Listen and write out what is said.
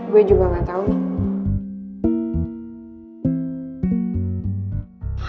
gue juga gak tahu nih